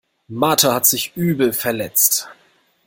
Martha hat sich übel verletzt.